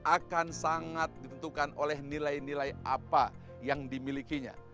akan sangat ditentukan oleh nilai nilai apa yang dimilikinya